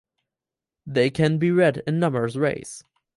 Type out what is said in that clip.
They can be read in numerous ways.